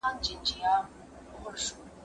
ايا ته ليک لولې!.